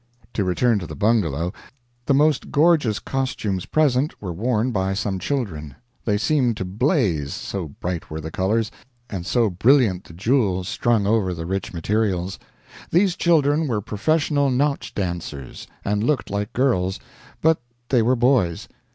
To return to the bungalow. The most gorgeous costumes present were worn by some children. They seemed to blaze, so bright were the colors, and so brilliant the jewels strung over the rich materials. These children were professional nautch dancers, and looked like girls, but they were boys.